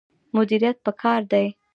مدیریت پکار دی